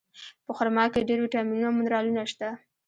په خرما کې ډېر ویټامینونه او منرالونه شته.